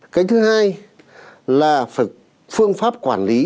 cái thứ hai là phương pháp quản lý